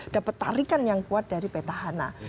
dapat tarikan yang kuat dari petahana